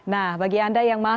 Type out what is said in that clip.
nah bagi anda yang mau